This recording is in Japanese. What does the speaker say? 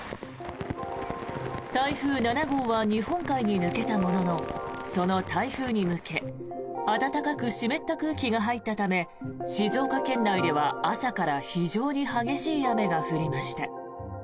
台風７号は日本海に抜けたもののその台風に向け暖かく湿った空気が入ったため静岡県内では朝から非常に激しい雨が降りました。